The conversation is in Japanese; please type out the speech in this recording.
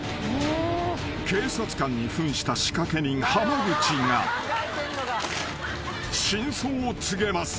［警察官に扮した仕掛け人濱口が真相を告げます］